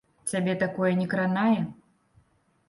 Цябе такое не кранае?